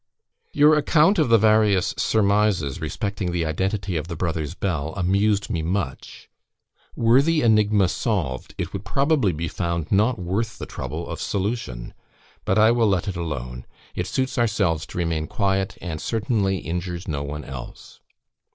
"Your account of the various surmises respecting the identity of the brothers Bell, amused me much: were the enigma solved, it would probably be found not worth the trouble of solution; but I will let it alone; it suits ourselves to remain quiet, and certainly injures no one else.